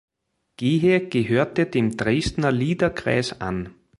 Gehe gehörte dem Dresdner Liederkreis an.